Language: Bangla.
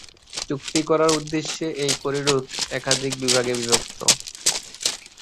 চুক্তি করার উদ্দেশ্যে এই করিডোর একাধিক বিভাগে বিভক্ত।